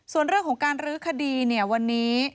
ส่วนเรื่องของการรื้อคดีเนี่ยวันนี้